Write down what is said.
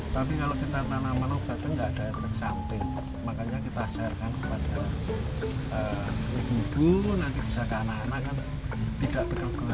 tapi kalau kita tanaman obat itu nggak ada yang ke samping